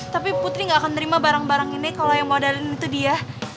tapi putri gak akan nerima barang barang ini kalo yang modalin itu dia